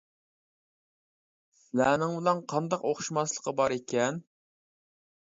سىلەرنىڭ بىلەن قانداق ئوخشىماسلىقى بار ئىكەن.